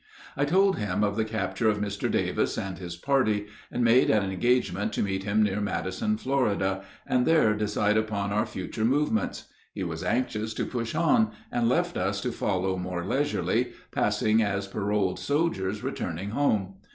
I told him of the capture of Mr. Davis and his party, and made an engagement to meet him near Madison, Florida, and there decide upon our future movements. He was anxious to push on, and left us to follow more leisurely, passing as paroled soldiers returning home.